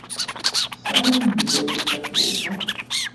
Tesɛiḍ imeddukal deg Tatoeba?